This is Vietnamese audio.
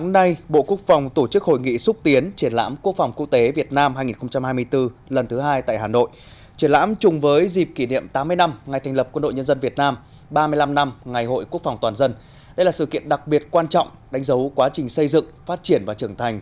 đây là sự kiện đặc biệt quan trọng đánh dấu quá trình xây dựng phát triển và trưởng thành